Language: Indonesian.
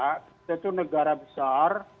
kita itu negara besar